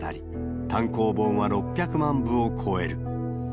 単行本は６００万部を超える。